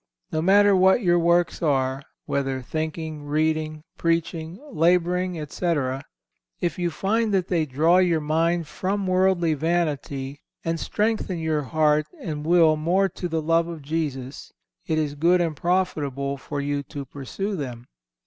No matter what your works are, whether thinking, reading, preaching, labouring, etc., if you find that they draw your mind from worldly vanity and strengthen your heart and will more to the love of Jesus, it is good and profitable for you to pursue them.